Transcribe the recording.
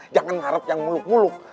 jangan harap yang muluk muluk